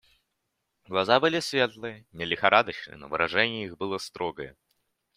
Глаза были светлые, не лихорадочные, но выражение их было строгое.